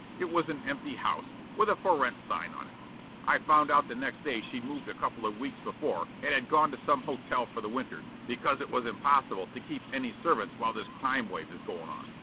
It was an empty house, with a 'for rent' sign on it. I found out the next day she'd moved a couple of weeks before and had gone to some hotel for the winter because it was impossible to keep any servants while this crime wave is goin' on.